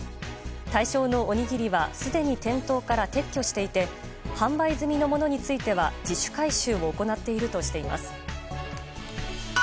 対象のおにぎりはすでに店頭から撤去していて販売済みのものについては自主回収を行っているとしています。